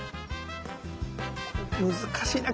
難しいな。